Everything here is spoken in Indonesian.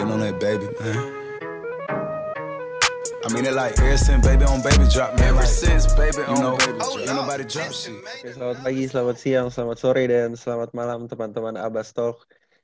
selamat pagi selamat siang selamat sore dan selamat malam teman teman abbastol